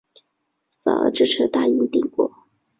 反而支持大英帝国。